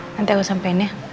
nanti aku sampein ya